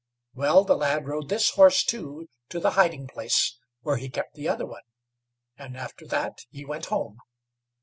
Well, the lad rode this horse, too, to the hiding place where he kept the other one, and after that he went home.